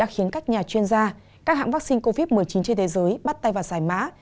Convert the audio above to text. đây đã khiến các nhà chuyên gia các hãng vắc xin covid một mươi chín trên thế giới bắt tay và giải mã